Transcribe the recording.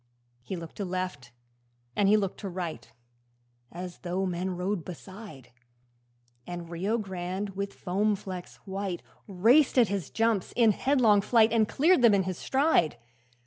He looked to left and looked to right, As though men rode beside; And Rio Grande, with foam flecks white, Raced at his jumps in headlong flight And cleared them in his stride.